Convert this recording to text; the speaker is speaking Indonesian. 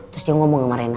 terus dia ngomong sama rena